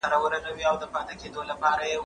ته ولې اوبه څښې!.